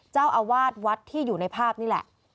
เจ้าอาวาสวัดที่อยู่ในภาพนี่แหละ